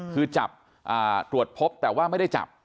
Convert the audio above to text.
คือจับตรวจพบแต่ว่าไม่ได้จับ